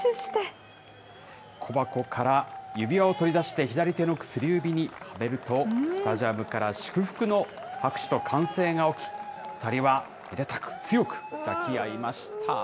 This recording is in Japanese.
小箱から指輪を取り出して、左手の薬指にはめると、スタジアムから祝福の拍手と歓声が起き、２人はめでたく、強く抱き合いました。